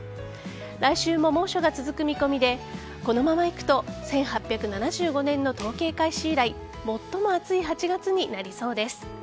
来週も猛暑が続く見込みでこのままいくと１８７５年の統計開始以来最も暑い８月になりそうです。